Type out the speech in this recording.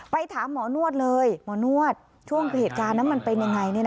ถามหมอนวดเลยหมอนวดช่วงเหตุการณ์นั้นมันเป็นยังไง